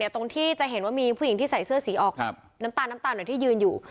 ตรงที่จะเห็นว่ามีผู้หญิงที่ใส่เสื้อสีออกน้ำตาลน้ำตาลที่ยืนอยู่